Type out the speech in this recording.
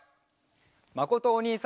まことおにいさんも。